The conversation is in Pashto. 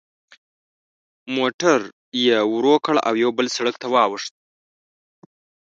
موټر یې ورو کړ او یوه بل سړک ته واوښت.